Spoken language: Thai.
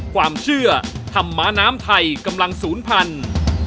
ความเชื่อธรรมม้าน้ำไทยกำลังศูนย์พันธุ์